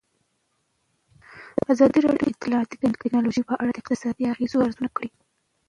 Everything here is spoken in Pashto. ازادي راډیو د اطلاعاتی تکنالوژي په اړه د اقتصادي اغېزو ارزونه کړې.